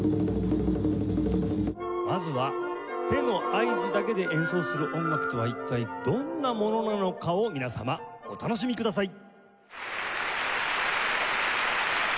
まずは手の合図だけで演奏する音楽とは一体どんなものなのかを皆様お楽しみください。